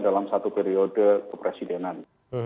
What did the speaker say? dalam satu periode kepresidenan